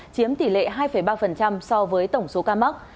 chiếm tỷ lệ hai ba so với tổng số ca mắc